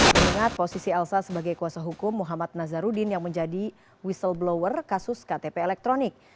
mengingat posisi elsa sebagai kuasa hukum muhammad nazarudin yang menjadi whistleblower kasus ktp elektronik